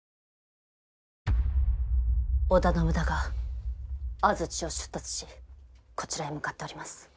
織田信長安土を出立しこちらへ向かっております。